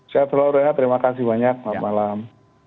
sehat selalu renhat terima kasih banyak selamat malam